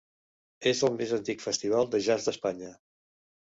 És el més antic festival de jazz d'Espanya.